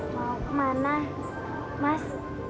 mau kemana mas